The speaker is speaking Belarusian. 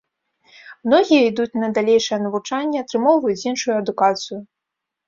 Многія ідуць на далейшае навучанне, атрымоўваюць іншую адукацыю.